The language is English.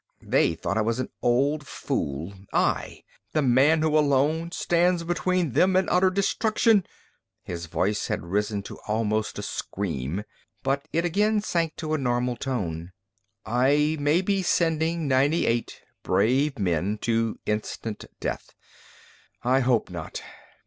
They thought I was an old fool I, the man who alone stands between them and utter destruction." His voice had risen to almost a scream, but it again sank to a normal tone. "I may be sending ninety eight brave men to instant death. I hope not."